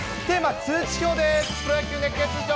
テーマ、通知表です。